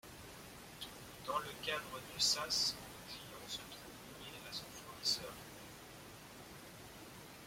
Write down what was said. Dans le cadre du SaaS, le client se trouve lié à son fournisseur.